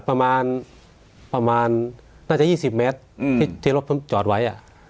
ประมาณประมาณน่าจะยี่สิบเมตรอืมที่ที่รถจอดไว้อ่ะ